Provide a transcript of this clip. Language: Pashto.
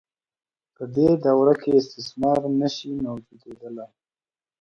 په دې دوره کې استثمار نشو موجودیدلای.